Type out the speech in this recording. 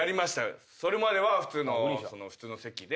それまでは普通の席で。